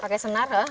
pakai senar ya